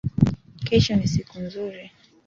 Kesho ni siku nzuri